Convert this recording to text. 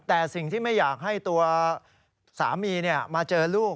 แต่สิ่งที่ไม่อยากให้ตัวสามีมาเจอลูก